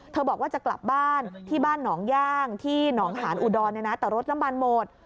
บอกว่าจะกลับบ้านที่บ้านหนองย่างที่หนองหานอุดรเนี่ยนะแต่รถน้ำมันหมด